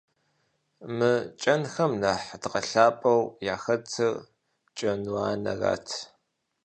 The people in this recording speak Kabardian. Мы кӀэнхэм нэхъ дгъэлъапӀэу яхэтыр «кӀэнуанэрат».